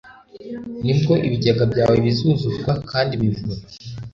ni bwo ibigega byawe bizuzuzwa kandi imivure